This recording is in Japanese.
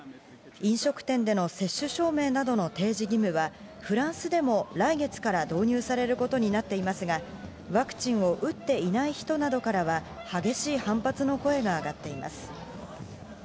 飲食店での接種証明などの提示義務はフランスでも来月から投入されることになっていますが、ワクチンを打っていない人などからは激しい反発の声が上がっています。